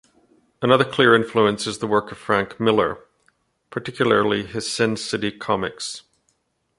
Another clear influence is the work of Frank Miller, particularly his Sin City comics.